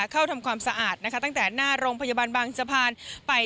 เข้าทำความสะอาดนะคะตั้งแต่หน้าโรงพยาบาลบางสะพานไป